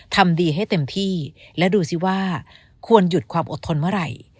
ทำดีให้เต็มที่และดูสิว่าควรหยุดความอดทนเมื่อไหร่